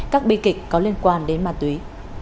các bi kịch có liên quan đến ma túy